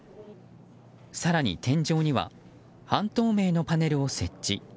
更に、天井には半透明のパネルを設置。